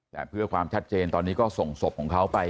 แต่เพื่อความชัดเจนตอนนี้ก็ส่งศพของเขาไป